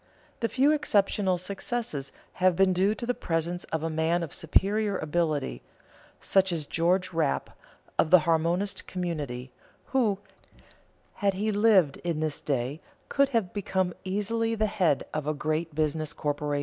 The few exceptional successes have been due to the presence of a man of superior ability, such as George Rapp of the Harmonist Community, who, had he lived in this day, could have become easily the head of a great business corporation.